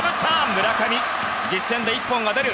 村上、実戦で１本が出る！